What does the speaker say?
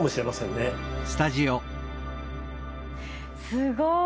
すごい。